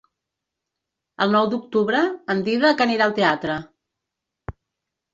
El nou d'octubre en Dídac anirà al teatre.